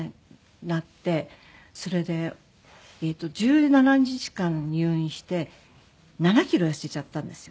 なってそれで１７日間入院して７キロ痩せちゃったんですよ。